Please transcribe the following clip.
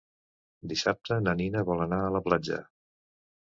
Dissabte na Nina vol anar a la platja.